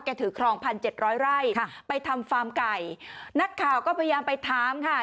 แกถือคลองภัณฑ์๗๐๐ไร่ไปทำฟาร์มไก่นักข่าวก็พยายามไปถามค่ะ